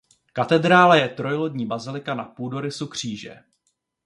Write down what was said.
Katedrála je trojlodní bazilika na půdorysu kříže.